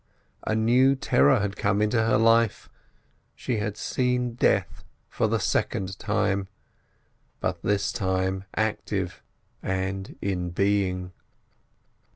A new terror had come into her life. She had seen death for the second time, but this time active and in being.